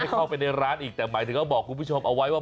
เข้าไปในร้านอีกแต่หมายถึงก็บอกคุณผู้ชมเอาไว้ว่า